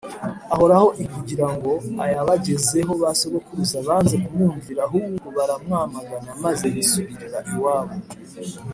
Ahoraho i kugira ngo ayabagezeho ba sogokuruza banze kumwumvira ahubwo baramwamagana maze bisubirira iwabo